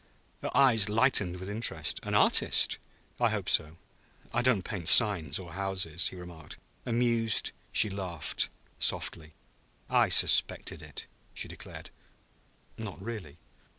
Her eyes lightened with interest. "An artist?" "I hope so. I don't paint signs or houses," he remarked. Amused, she laughed softly. "I suspected it," she declared. "Not really?"